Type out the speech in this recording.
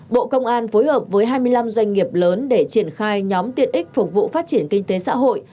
bộ công an phối hợp với hai mươi năm doanh nghiệp lớn để triển khai nhóm tiện ích phục vụ phát triển kinh tế xã hội